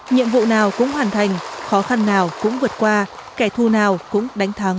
nhiệm vụ nào cũng hoàn thành khó khăn nào cũng vượt qua kẻ thù nào cũng đánh thắng